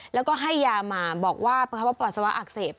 แล้วก็ให้ยามาบอกว่าปัสสาวะอักเสบ